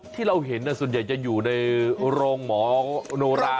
ที่เราเห็นส่วนใหญ่จะอยู่ในโรงหมอโนรา